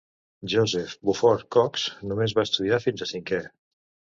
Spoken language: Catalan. Joseph Buford Cox només va estudiar fins a cinquè.